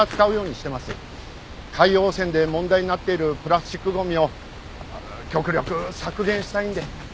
海洋汚染で問題になっているプラスチックゴミを極力削減したいんで。